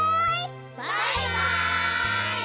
バイバイ！